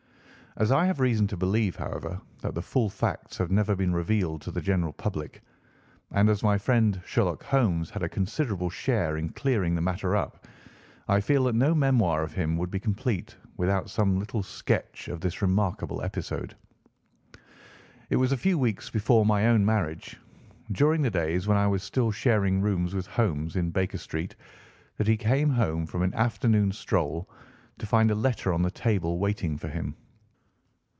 As I have reason to believe, however, that the full facts have never been revealed to the general public, and as my friend Sherlock Holmes had a considerable share in clearing the matter up, I feel that no memoir of him would be complete without some little sketch of this remarkable episode. It was a few weeks before my own marriage, during the days when I was still sharing rooms with Holmes in Baker Street, that he came home from an afternoon stroll to find a letter on the table waiting for him.